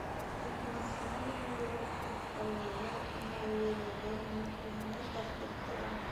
Ә ҡунаҡхана бүлмәләре ыҫпайлығы, уңайлылығы менән үҙенә тартып тора.